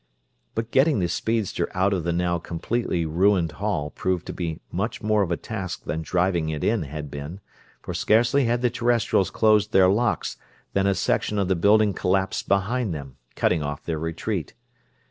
But getting the speedster out of the now completely ruined hall proved to be much more of a task than driving it in had been, for scarcely had the Terrestrials closed their locks than a section of the building collapsed behind them, cutting off their retreat.